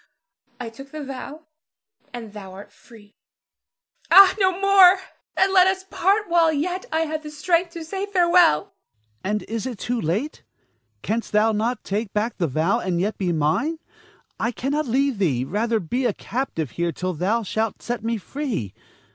I took the vow, and thou art free. Ah, no more! and let us part while yet I have the strength to say farewell. Ernest. And is it yet too late? Canst thou not take back the vow, and yet be mine? I cannot leave thee, rather be a captive here till thou shalt set me free.